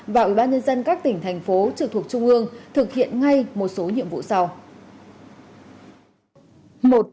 và ủy ban nhân dân các tỉnh thành phố trực thuộc trung ương thực hiện ngay một số nhiệm vụ sau